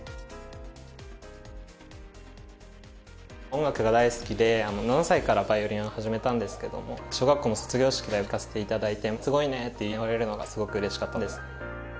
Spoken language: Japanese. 音楽が大好きで７歳からバイオリンを始めたんですけども小学校の卒業式とかで弾かせて頂いて「すごいね！」って言われるのがすごくうれしかったです。